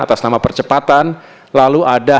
atas nama percepatan lalu ada